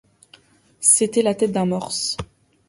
C’était la tête d’un morse.